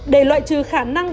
để loại trừ khả năng